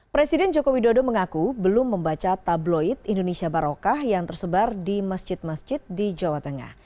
presiden joko widodo mengaku belum membaca tabloid indonesia barokah yang tersebar di masjid masjid di jawa tengah